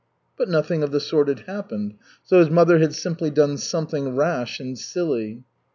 But nothing of the sort had happened, so his mother had simply done something rash and silly.